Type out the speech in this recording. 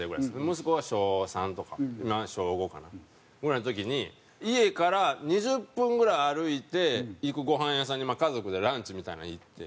息子は小３とか今小５かな？ぐらいの時に家から２０分ぐらい歩いて行くごはん屋さんにまあ家族でランチみたいの行って。